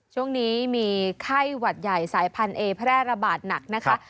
ช่วงนี้มีไข้หวัดใหญ่สายพันธุเอแพร่ระบาดหนักนะคะ